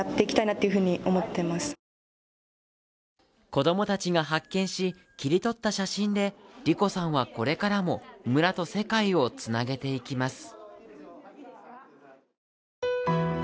子供たちが発見し、切り取った写真で莉瑚さんは、これからも村と世界をつなげていきます。